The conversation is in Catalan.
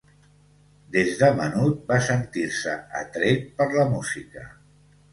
Des de menut va sentir-se atret per la música.